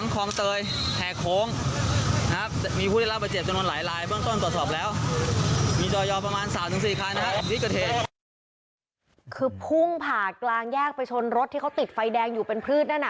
คือพุ่งผ่ากลางแยกไปชนรถที่เขาติดไฟแดงอยู่เป็นพืชนั่น